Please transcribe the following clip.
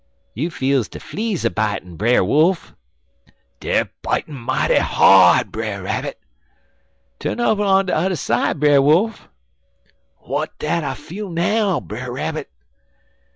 "'You feels de fleas a bitin', Brer Wolf.' "'Dey er bitin' mighty hard, Brer Rabbit.' "'Tu'n over on de udder side, Brer Wolf.' "'W'at dat I feel now, Brer Rabbit?'